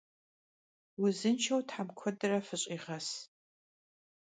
Vuzınşşeu them kuedre fış'iğes!